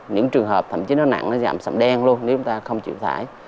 những trường hợp thậm chí nó nặng nó giảm sầm đen luôn nếu chúng ta không chịu thải